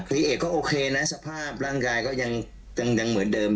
คือเอกก็โอเคนะสภาพร่างกายก็ยังเหมือนเดิม